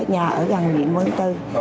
nhà ở gần bệnh viện ba mươi tháng bốn